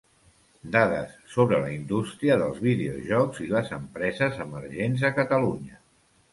Dades sobre la indústria dels videojocs i les empreses emergents a Catalunya.